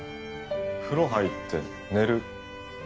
風呂入って寝る。